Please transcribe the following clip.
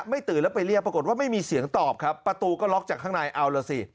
ตื่นแล้วไปเรียกปรากฏว่าไม่มีเสียงตอบครับประตูก็ล็อกจากข้างในเอาล่ะสิ